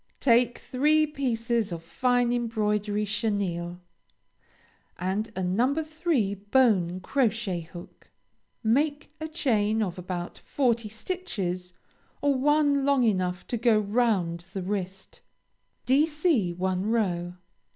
Take three pieces of fine embroidery chenille, and a No. 3 bone crochet hook. Make a chain of about forty stitches, or one long enough to go round the wrist; Dc one row.